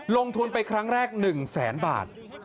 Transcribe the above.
ลงทุนไปครั้งแรก๑แสนบาท